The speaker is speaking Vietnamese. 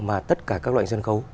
mà tất cả các loại sân khấu